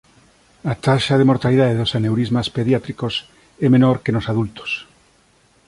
A taxa de mortalidade dos aneurismas pediátricos é menor que nos adultos.